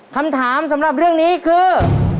คำถามสำหรับเรื่องนี้คือ